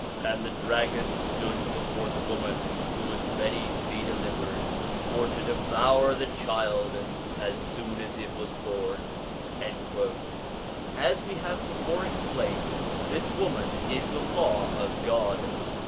'And the dragon stood before the woman which was ready to be delivered, for to devour the child as soon as it was born.' As we have before ex plained, this woman is the Law of God.